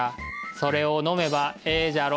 「それを飲めばええじゃろ？」